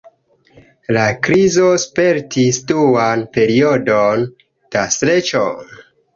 La krizo spertis duan periodon da streĉo.